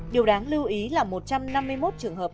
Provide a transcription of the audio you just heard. điều đáng lưu ý là một trăm năm mươi một trường hợp